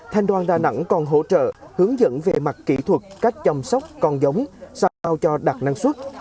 thành đoàn đà nẵng còn hỗ trợ hướng dẫn về mặt kỹ thuật cách chăm sóc con giống sao cho đạt năng suất